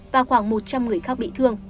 và khoảng một trăm linh người khác bị thương